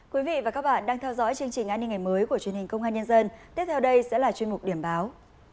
quý vị và các bạn đang theo dõi chương trình an ninh ngày mới của truyền hình công an nhân dân tiếp theo đây sẽ là chuyên mục điểm báo